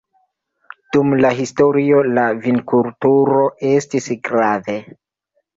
Dum la historio la vinkulturo estis grave.